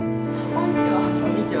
こんにちは。